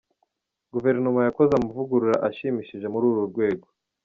Guverinoma yakoze amavugurura ashimishije muri uru rwego.